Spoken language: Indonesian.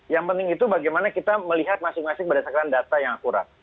yang penting itu bagaimana kita melihat masing masing berdasarkan data yang akurat